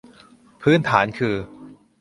พื้นฐานคือ